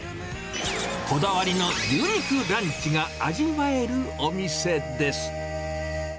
こだわりの牛肉ランチが味わえるお店です。